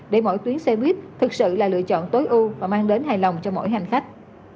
để mỗi tuyến xe buýt thực sự là lựa chọn tối ưu và mang đến hài lòng cho mỗi hành khách